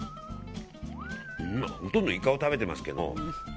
ほとんどイカを食べてますけども。